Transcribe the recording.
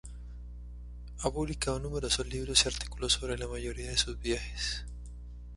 Ha publicado numerosos libros y artículos sobre la mayoría de sus viajes.